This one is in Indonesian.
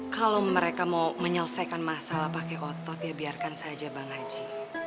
kalau mereka mau menyelesaikan masalah pakai otot ya biarkan saja bang haji